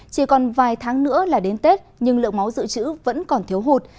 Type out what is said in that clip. chỉ còn vài tháng nữa là đến tết nhưng lượng máu dự trữ vẫn còn thiếu hụt